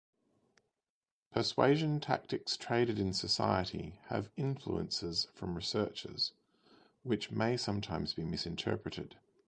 Persuasion tactics traded in society have influences from researchers, which may sometimes be misinterpreted.